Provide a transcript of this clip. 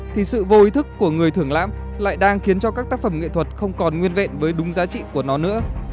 thì sự vô ý thức của người thưởng lãm lại đang khiến cho các tác phẩm nghệ thuật không còn nguyên vẹn với đúng giá trị của nó nữa